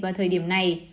vào thời điểm này